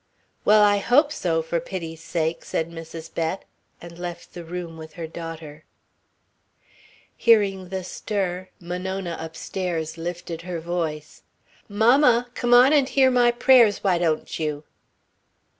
"Well, I hope so, for pity sakes," said Mrs. Bett, and left the room with her daughter. Hearing the stir, Monona upstairs lifted her voice: "Mamma! Come on and hear my prayers, why don't you?"